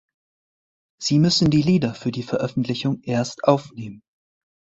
Sie müssen die Lieder für die Veröffentlichung erst aufnehmen.